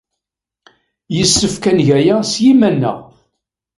Yessefk ad neg aya s yiman-nneɣ.